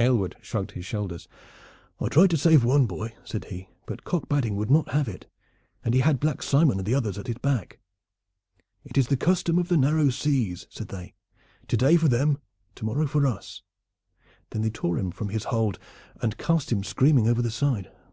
Aylward shrugged his shoulders. "I tried to save one boy," said he; "but Cock Badding would not have it, and he had Black Simon and the others at his back. 'It is the custom of the Narrow Seas,' said they: 'To day for them; to morrow for us.' Then they tore him from his hold and cast him screaming over the side.